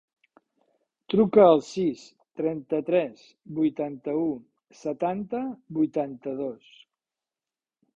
Truca al sis, trenta-tres, vuitanta-u, setanta, vuitanta-dos.